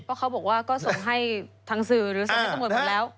ก็เขาบอกว่าก็ส่งให้ทางสื่อหรือส่งให้ตำรวจหมดแล้ว